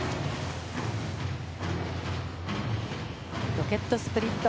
ロケットスプリット。